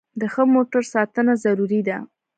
د ښه موټر ساتنه ضروري ده.